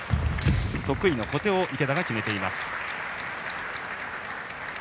得意の小手を池田が決めています。